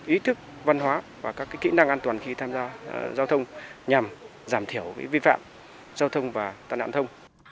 ý thức văn hóa và các kỹ năng an toàn khi tham gia giao thông nhằm giảm thiểu vi phạm giao thông và tàn nạn thông